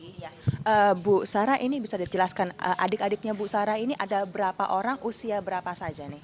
ibu sarah ini bisa dijelaskan adik adiknya bu sarah ini ada berapa orang usia berapa saja nih